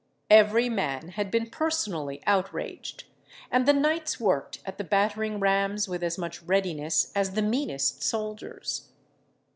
Every man had been personally outraged, and the knights worked at the battering rams with as much readiness as the meanest soldiers.